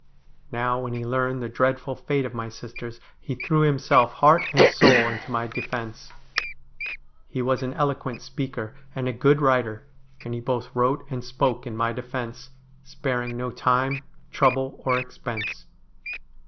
Now, when he learned the dreadful fate of my sisters, he threw himself heart and soul into my defence. He was an eloquent speaker, and a good writer, and he both wrote and spoke in my defence, sparing no time, trouble, or expense.